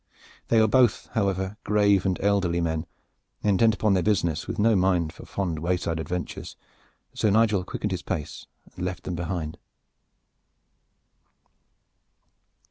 They were both, however, grave and elderly men, intent upon their business and with no mind for fond wayside adventures, so Nigel quickened his pace and left them behind.